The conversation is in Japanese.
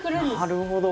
なるほど。